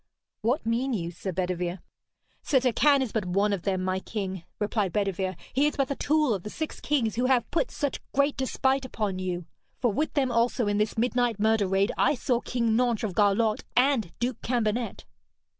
'What mean you, Sir Bedevere?' 'Sir Turquine is but one of them, my king,' replied Bedevere. 'He is but the tool of the six kings who have put such great despite upon you. For with them also in this midnight murder raid I saw King Nentres of Garlot and Duke Cambenet.'